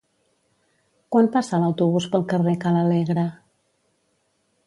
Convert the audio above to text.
Quan passa l'autobús pel carrer Ca l'Alegre?